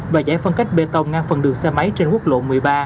và giải phân cách bê tông ngang phần đường xe máy trên quốc lộ một mươi ba